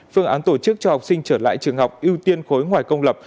phương án tổ chức cho học sinh trở lại trường học ưu tiên khối ngoài công lập